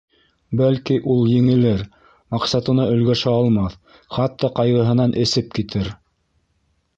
Бәлки, ул еңелер, маҡсатына өлгәшә алмаҫ, хатта ҡайғыһынан эсеп китер.